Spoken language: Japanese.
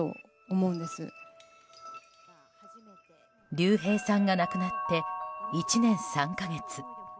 竜兵さんが亡くなって１年３か月。